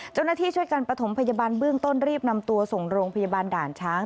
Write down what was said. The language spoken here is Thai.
ช่วยกันประถมพยาบาลเบื้องต้นรีบนำตัวส่งโรงพยาบาลด่านช้าง